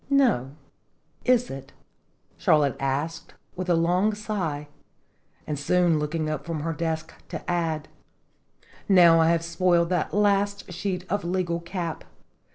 " No, is it?" Charlotte answered, with a long sigh, and soon looking up from her desk to add: "Now I have spoiled that sheet of legal cap!